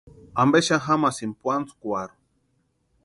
¿Ampe xani jamasïnki puantskwarhu?